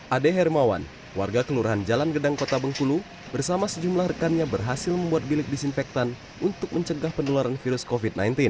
ade hermawan warga kelurahan jalan gedang kota bengkulu bersama sejumlah rekannya berhasil membuat bilik disinfektan untuk mencegah penularan virus covid sembilan belas